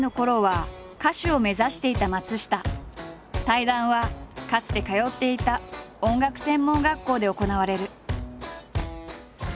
対談はかつて通っていた音楽専門学校で行われる。